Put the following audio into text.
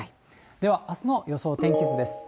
ではあすの予想天気図です。